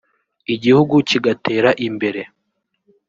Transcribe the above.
igihugu kigatera imbere